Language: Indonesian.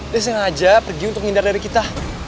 dia sengaja pergi untuk menghindar dari kita